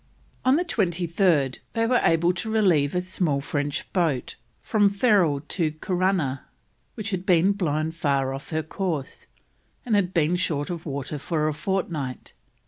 On the 23rd they were able to relieve a small French boat, from Ferrol to Corunna, which had been blown far off her course, and had been short of water for a fortnight.